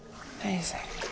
はい。